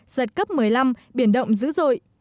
giật cấp một mươi năm biển động dữ dội